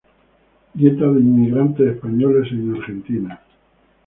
Nieta de inmigrantes españoles en Argentina.